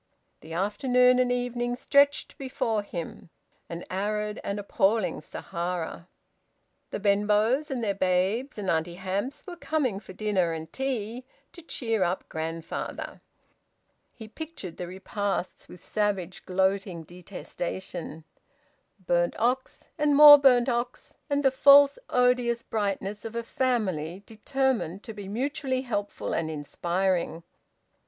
The afternoon and evening stretched before him, an arid and appalling Sahara. The Benbows, and their babes, and Auntie Hamps were coming for dinner and tea, to cheer up grandfather. He pictured the repasts with savage gloating detestation burnt ox, and more burnt ox, and the false odious brightness of a family determined to be mutually helpful and inspiring.